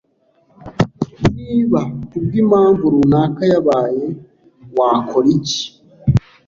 Niba kubwimpamvu runaka yabaye, wakora iki?